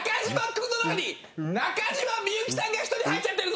君の中に中島みゆきさんが１人入っちゃってるぞ！